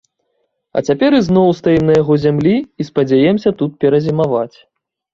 А цяпер ізноў стаім на яго зямлі і спадзяёмся тут перазімаваць.